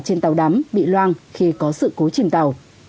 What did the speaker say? trên tàu đắm bị loang khi có sự cố chìm tàu